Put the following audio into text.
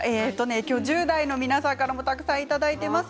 今日１０代の皆さんからもたくさんいただいています。